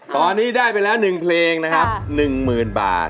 ตอนนี้ได้ไปแล้ว๑เพลงนะครับ๑๐๐๐บาท